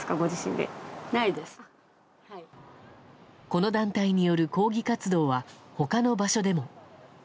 この団体による抗議活動は他の場所でも。